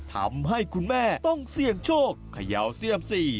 ทำให้คุณแม่ต้องเสี่ยงโชคเขย่าเซียมซี